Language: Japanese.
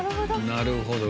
なるほど。